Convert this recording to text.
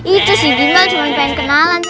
itu sih gimbal cuma pengen kenalan